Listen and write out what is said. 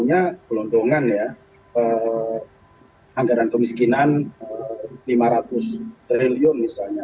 sebenarnya belondongan ya anggaran kemiskinan lima ratus triliun misalnya